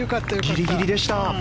ギリギリでした。